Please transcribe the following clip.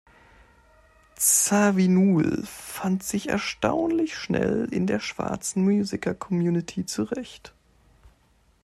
Zawinul fand sich erstaunlich schnell in der schwarzen Musiker-Community zurecht.